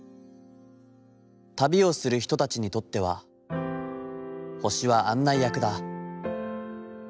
旅をする人たちにとっては、星は案内役だ。